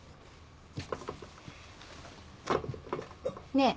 ねえ？